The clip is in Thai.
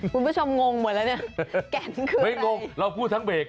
คุณผู้ชมงงหมดแล้วเนี้ยแก๋นคืออะไรไม่งงเราพูดทั้งเบก